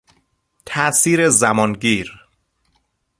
تاثیر زمانگیر